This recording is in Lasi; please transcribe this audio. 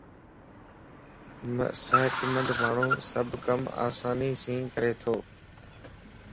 صحتمند ماڻھو سڀ ڪم آسانيءَ سين ڪري تو.